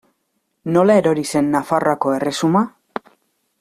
Nola erori zen Nafarroako erresuma?